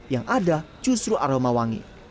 yang ada justru aroma wangi